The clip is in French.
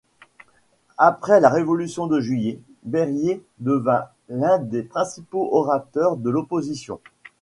Après la Révolution de Juillet, Berryer devint l'un des principaux orateurs de l'opposition.